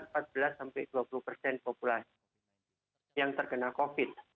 nah itu adalah fase yang terkena covid